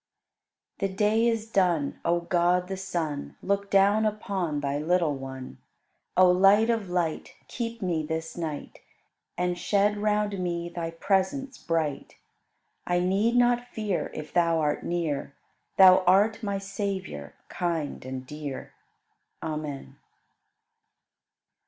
25. The day is done; O God the Son, Look down upon Thy little one! O Light of Light, Keep me this night, And shed round me Thy presence bright. I need not fear If Thou art near; Thou art my Savior Kind and dear. Amen.